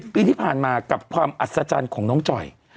ปีที่ผ่านมากับความอัศจรรย์ของน้องจ่อย